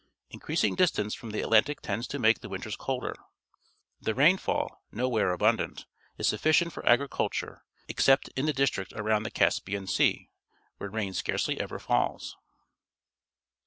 Increasing distance from the Atlantic tends to make the \^'inters colder. The rainfall, nowhere abun dant, is sufficient for agriculture, except in the district around the Caspian Sea, where rain scarcely ever falls.